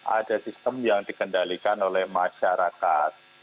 ada sistem yang dikendalikan oleh masyarakat